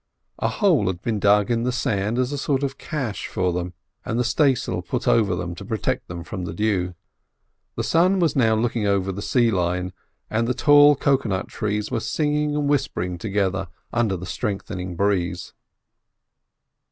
A hole had been dug in the sand as a sort of cache for them, and the stay sail put over them to protect them from the dew. The sun was now looking over the sea line, and the tall cocoa nut trees were singing and whispering together under the strengthening breeze.